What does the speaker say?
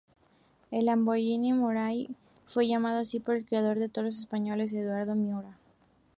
El Lamborghini Miura fue llamado así por el criador de toros español Eduardo Miura.